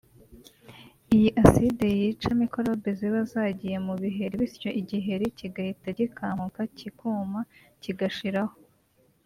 iyi acide yica mikorobe ziba zagiye mu biheri bityo igiheri kigahita gikamuka kikuma kigashiraho